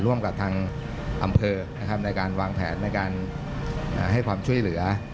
ร่วมกับทางอำเภอในการวางแผนให้ความช่วยเหลือ